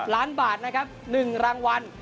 ล้านบาทนะครับ๑รางวัล